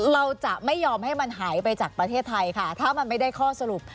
เราจะไม่ยอมให้มันหายไปจากประเทศไทยค่ะถ้ามันไม่ได้ข้อสรุป